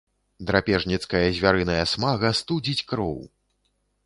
Драпежніцкая звярыная смага студзіць кроў.